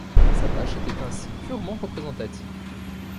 Sa tâche était ainsi purement représentative.